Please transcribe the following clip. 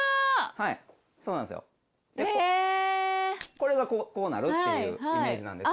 これがこうなるっていうイメージです。